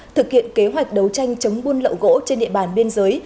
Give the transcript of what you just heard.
thực hiện kế hoạch đấu tranh chống buôn lậu gỗ trên địa bàn biên giới